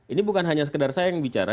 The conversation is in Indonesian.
ini bukan hanya sekedar saya yang bicara